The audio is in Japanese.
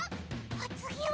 おつぎは？